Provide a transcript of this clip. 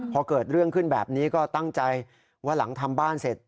พอเกิดเรื่องขึ้นแบบนี้ก็ตั้งใจว่าหลังทำบ้านเสร็จ